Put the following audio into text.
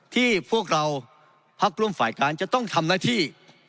พวกเราพักร่วมฝ่ายการจะต้องทำหน้าที่